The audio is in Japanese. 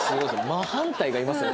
真反対がいますよ